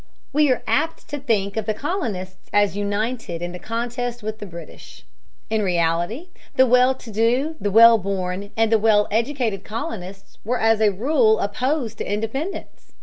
We are apt to think of the colonists as united in the contest with the British. In reality the well to do, the well born, and the well educated colonists were as a rule opposed to independence.